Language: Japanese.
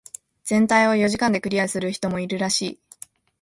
全体を四時間でクリアする人もいるらしい。